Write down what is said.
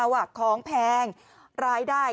ว่าของแพงรายได้